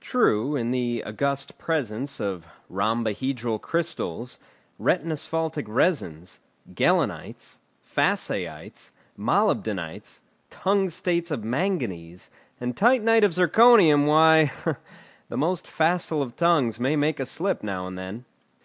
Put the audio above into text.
True, in the august presence of rhombohedral crystals, retinasphaltic resins, gehlenites, Fassaites, molybdenites, tungstates of manganese, and titanite of zirconium, why, the most facile of tongues may make a slip now and then.